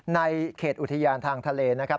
ในเขตอุทยานทางทะเลนะครับ